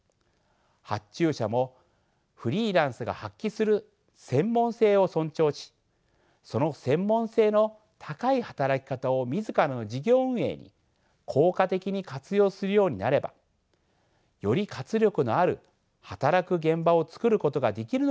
発注者もフリーランスが発揮する専門性を尊重しその専門性の高い働き方を自らの事業運営に効果的に活用するようになればより活力のある働く現場を作ることができるのではないかと感じています。